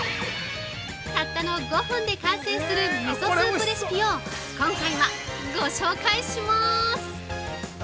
たったの５分で完成する、みそスープレシピを今回はご紹介します！